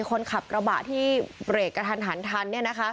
คนขับกระบะที่เบรกกระทันหันทัน